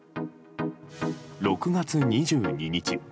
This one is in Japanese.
６月２２日。